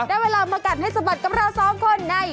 ได้เวลามากัดให้สะบัดกับเราสองคนใน